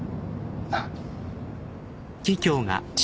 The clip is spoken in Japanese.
なっ。